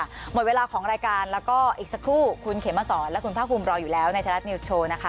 หมดเวลาของรายการแล้วก็อีกสักครู่คุณเขมสอนและคุณภาคภูมิรออยู่แล้วในไทยรัฐนิวส์โชว์นะคะ